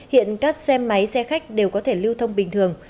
hiện các xe máy xe khách đều có thể lưu thông bình thường